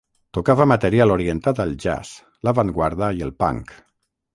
Tocava material orientat al jazz, l'avantguarda i el punk.